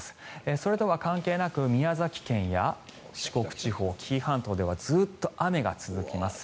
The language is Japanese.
それとは関係なく宮崎県や四国地方紀伊半島ではずっと雨が続きます。